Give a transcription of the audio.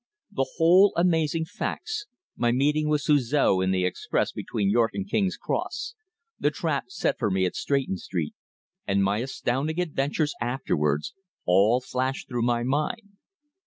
The whole amazing facts, my meeting with Suzor in the express between York and King's Cross, the trap set for me at Stretton Street, and my astounding adventures afterwards, all flashed through my mind.